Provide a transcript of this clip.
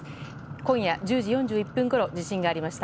今夜１０時４１分ごろ地震がありました。